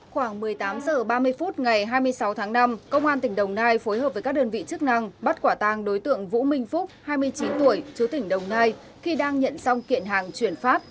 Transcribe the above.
khoảng một mươi tám h ba mươi phút ngày hai mươi sáu tháng năm công an tỉnh đồng nai phối hợp với các đơn vị chức năng bắt quả tang đối tượng vũ minh phúc hai mươi chín tuổi chú tỉnh đồng nai khi đang nhận xong kiện hàng chuyển phát